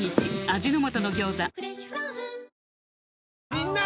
みんな！